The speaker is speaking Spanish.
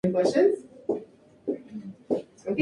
Está ubicado al extremo sureste del departamento Las Heras.